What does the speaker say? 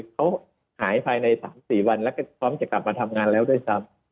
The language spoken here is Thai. เขาหายภายใน๓๔วันแล้วก็พร้อมจะกลับมาทำงานแล้วด้วยซ้ำ